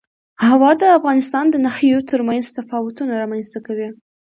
هوا د افغانستان د ناحیو ترمنځ تفاوتونه رامنځ ته کوي.